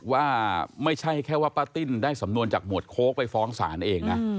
ว่าไม่ใช่แค่ว่าป้าติ้นได้สำนวนจากหมวดโค้กไปฟ้องศาลเองนะ